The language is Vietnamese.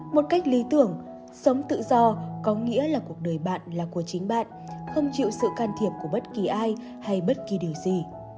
một cách lý tưởng sống tự do có nghĩa là cuộc đời bạn là của chính bạn không chịu sự can thiệp của bất kỳ ai hay bất kỳ điều gì